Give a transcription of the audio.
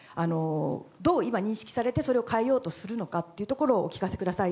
どう認識されてそれを変えようとするのかをお聞かせください。